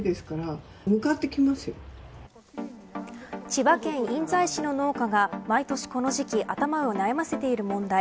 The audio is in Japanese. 千葉県印西市の農家が毎年この時期頭を悩ませている問題